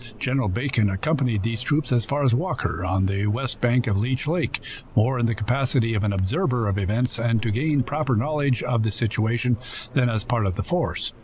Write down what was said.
General Bacon accompanied these troops as far as Walker, on the west bank of Leech lake, more in the capacity of an observer of events and to gain proper knowledge of the situation than as part of the force.